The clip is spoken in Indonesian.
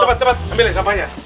cepat cepat ambilin sampahnya